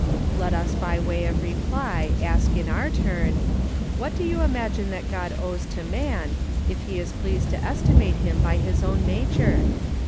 let us by way of reply ask in our turn, What do you imagine that God owes to man, if he is pleased to estimate him by his own nature?